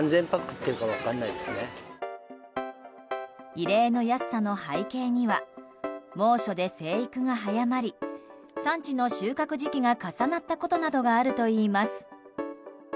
異例の安さの背景には猛暑で生育が早まり産地の収穫時期が重なったことなどがあるといいます。